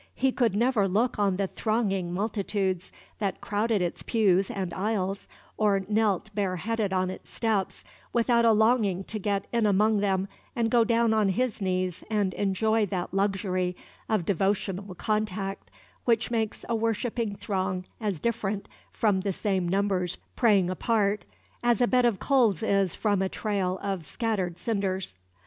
He could never look on the thronging multitudes that crowded its pews and aisles or knelt bare headed on its steps, without a longing to get in among them and go down on his knees and enjoy that luxury of devotional contact which makes a worshipping throng as different from the same numbers praying apart as a bed of coals is from a trail of scattered cinders.